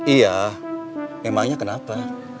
iya emangnya kenapa